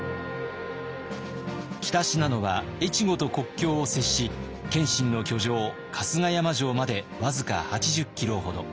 北信濃は越後と国境を接し謙信の居城春日山城まで僅か８０キロほど。